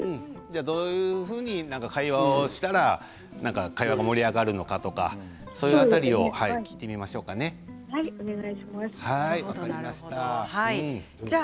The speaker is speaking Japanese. どういうふうに会話をしたら会話が盛り上がるのかとかそういう辺りをお願いします。